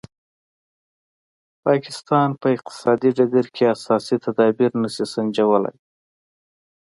پاکستان په اقتصادي ډګر کې اساسي تدابیر نه شي سنجولای.